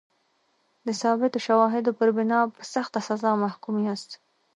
د ثابتو شواهدو پر بنا په سخته سزا محکوم یاست.